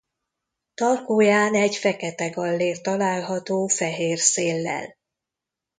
Tarkóján egy fekete gallér található fehér széllel.